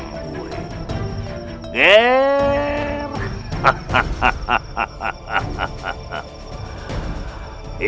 ilmu dewa petir telah koko